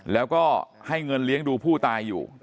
แล้วก็ให้เงินเลี้ยงดูผู้ตายอยู่